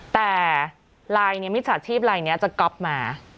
แต่มิจจัดชีพไลน์นี้จะก๊อปมา